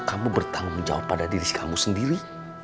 kamu bertanggung jawab pada diri kamu sendiri